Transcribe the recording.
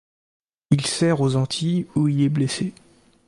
Il sert aux Antilles où il est blessé.